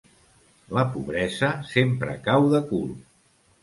La pobresa sempre cau de cul.